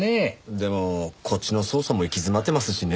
でもこっちの捜査も行き詰まってますしね。